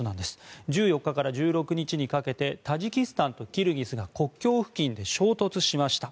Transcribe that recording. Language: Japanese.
１４日から１６日にかけてタジキスタンとキルギスが国境付近で衝突しました。